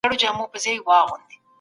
اسلم لوڼ محمداعظم پوپلزى